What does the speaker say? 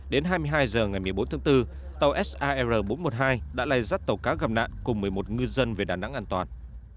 đến hai mươi hai h ngày một mươi bốn tháng bốn tàu sar bốn trăm một mươi hai đã lây dắt tàu cá gặp nạn cùng một mươi một ngư dân về đà nẵng an toàn